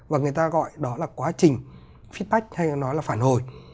và người ta gọi đó là quá trình feedback hay nói là phản hồi